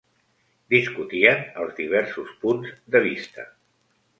Discutien els diversos punts de vista.